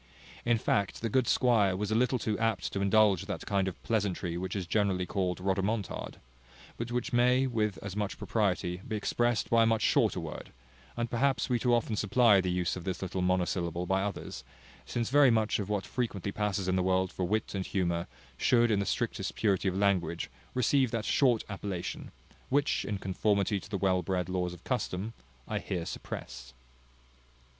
In fact, the good squire was a little too apt to indulge that kind of pleasantry which is generally called rhodomontade: but which may, with as much propriety, be expressed by a much shorter word; and perhaps we too often supply the use of this little monosyllable by others; since very much of what frequently passes in the world for wit and humour, should, in the strictest purity of language, receive that short appellation, which, in conformity to the well bred laws of custom, I here suppress.